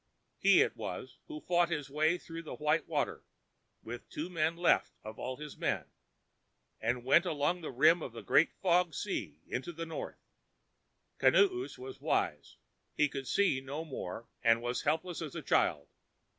He it was who fought his way through the white water, with two men left of all his men, and went away along the rim of the Great Fog Sea into the north. Kinoos was wise. He could see no more and was helpless as a child.